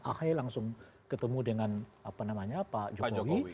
ahai langsung ketemu dengan pak jokowi